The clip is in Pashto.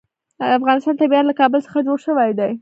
د افغانستان طبیعت له کابل څخه جوړ شوی دی.